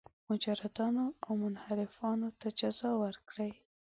مجرمانو او منحرفانو ته جزا ورکړي.